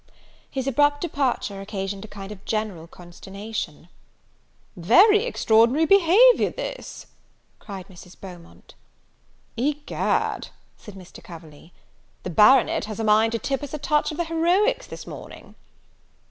His abrupt departure occasioned a kind of general consternation. "Very extraordinary behavior this!" cried Mrs. Beaumont. "Egad," said Mr. Coverley, "the baronet has a mind to tip us a touch of the heroics this morning!"